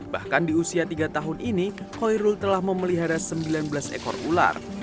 bahkan di usia tiga tahun ini hoirul telah memelihara sembilan belas ekor ular